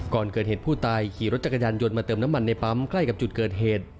ก่อนเกิดเหตุผู้ตายขี่รถจักรยานยนต์มาเติมน้ำมันในปั๊มใกล้กับจุดเกิดเหตุ